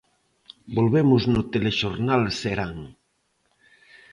Volvemos no Telexornal Serán.